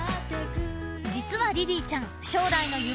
［実はリリーちゃん］